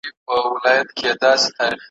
زه له غروره د ځوانۍ لکه نیلی درتللای `